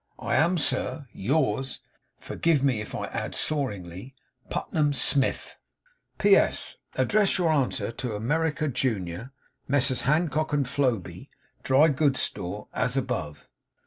'I am, Sir, 'Yours (forgive me if I add, soaringly), 'PUTNAM SMIF 'P.S. Address your answer to America Junior, Messrs. Hancock & Floby, Dry Goods Store, as above.